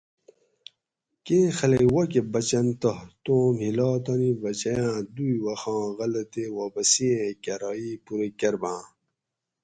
کیں خلک واکٞہ بچنت تہ توم ہِلا تانی بچیاٞں دوئ وخاں غلہ تے واپسی ایں کرائ پورہ کرباٞں